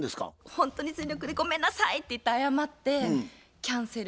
ほんとに全力で「ごめんなさい」って言って謝ってキャンセル。